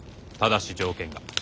ただし条件が。